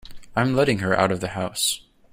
I'm letting her out of the house.